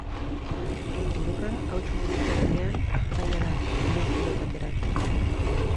Elurra hauts modukoa denean, zaila da elur-pilotak eratzea.